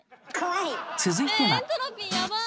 続いては。